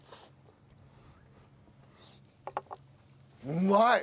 うまい！